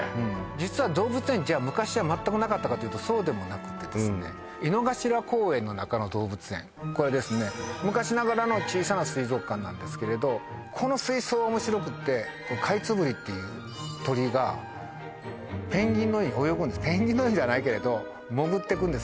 実は動物園昔は全くなかったかっていうとそうでもなくてですね井の頭公園の中の動物園これですね昔ながらの小さな水族館なんですけれどこの水槽おもしろくってカイツブリっていう鳥がペンギンのように泳ぐんですペンギンのようにじゃないけれど潜ってくんです